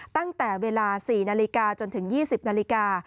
ตั้งแต่เวลา๔นาฬิกาจนถึง๒๐นาฬิกา